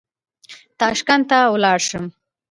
تاشکند ته ولاړ شم.